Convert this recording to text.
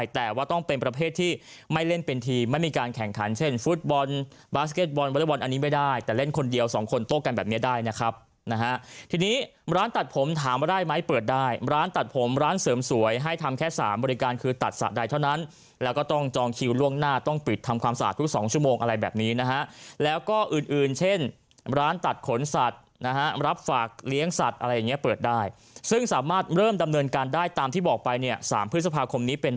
แต่ว่าต้องเป็นประเภทที่ไม่เล่นเป็นทีมไม่มีการแข่งขันเช่นฟุตบอลบาสเก็ตบอลวาเลวอลอันนี้ไม่ได้แต่เล่นคนเดียว๒คนโต๊ะกันแบบนี้ได้นะครับนะฮะทีนี้ร้านตัดผมถามว่าได้ไหมเปิดได้ร้านตัดผมร้านเสริมสวยให้ทำแค่๓บริการคือตัดสะได้เท่านั้นแล้วก็ต้องจองคิวล่วงหน้าต้องปิดทำความสะอาดทุก๒